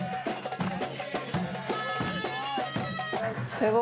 すごい。